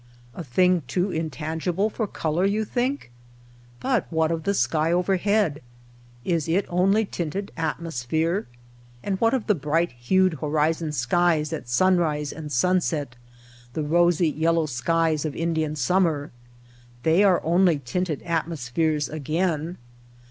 A thing too intangible for color you think ? But what of the sky overhead ? It is only tint ed atmosphere. And what of the bright hued horizon skies at sunrise and sunset, the rosy yellow skies of Indian summer ! They are only tinted atmospheres again.